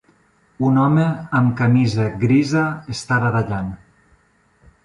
Un home amb camisa grisa està badallant.